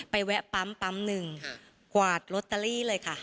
แวะปั๊มปั๊มหนึ่งกวาดลอตเตอรี่เลยค่ะ